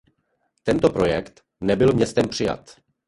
Tento projekt nebyl městem přijat.